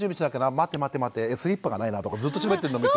待て待て待てスリッパがないな」とかずっとしゃべってるの見て。